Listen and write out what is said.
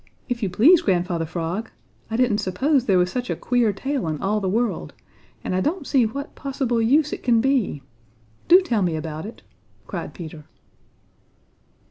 If you please, Grandfather Frog! I didn't suppose there was such a queer tail in all the world, and I don't see what possible use it can be. Do tell me about it!" cried Peter.